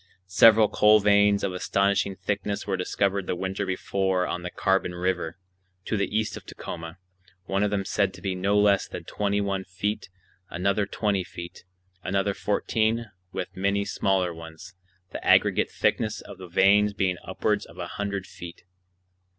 Several coal veins of astonishing thickness were discovered the winter before on the Carbon River, to the east of Tacoma, one of them said to be no less than twenty one feet, another twenty feet, another fourteen, with many smaller ones, the aggregate thickness of all the veins being upwards of a hundred feet.